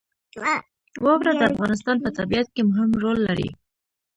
واوره د افغانستان په طبیعت کې مهم رول لري.